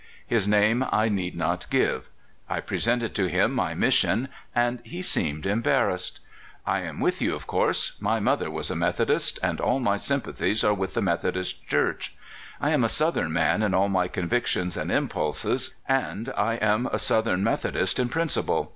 His name I need not give. I presented to him my mission, and he seemed embarrassed. "I am with you, of course. My mother was a Methodist, and all my sympathies are with the Methodist Church. I am a Southern man in all my convictions and impulses, and I am a South ern Methodist in principle.